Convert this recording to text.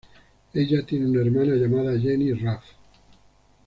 Ella tiene una hermana llamada Jenny Raff.